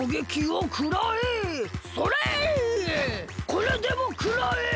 これでもくらえ！